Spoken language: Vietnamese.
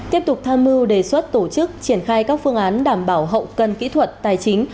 tiếp tục tham mưu đề xuất tổ chức triển khai các phương án đảm bảo hậu cần kỹ thuật tài chính